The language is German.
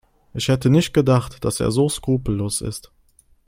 Ich hätte nicht gedacht, dass er so skrupellos ist.